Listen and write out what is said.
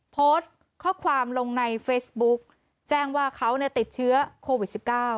โพสต์ข้อความลงในเฟซบุ๊กแจ้งว่าเขาติดเชื้อโควิด๑๙